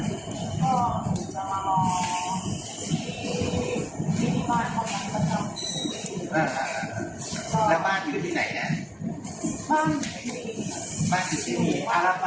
ก็จะมารอที่นี่บ้านของเรานะครับ